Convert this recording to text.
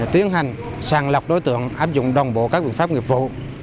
tiến hành sàng lọc đối tượng áp dụng đồng bộ các biện pháp nghiệp vụ